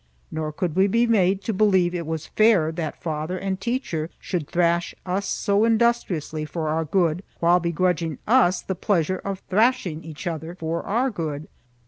Nor could we be made to believe it was fair that father and teacher should thrash us so industriously for our good, while begrudging us the pleasure of thrashing each other for our good.